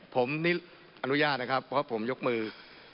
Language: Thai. ผมนี่อนุญาตนะครับเพราะผมยกมือ